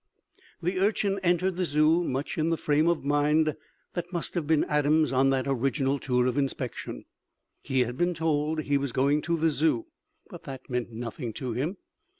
The Urchin entered the Zoo much in the frame of mind that must have been Adam's on that original tour of inspection. He had been told he was going to the Zoo, but that meant nothing to him.